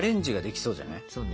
そうね。